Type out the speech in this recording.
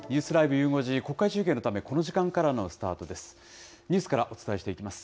ゆう５時、国会中継のため、この時間からのスタートです。